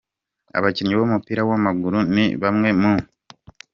Abakinnyi b’umupira w’amaguru ni bamwe mu.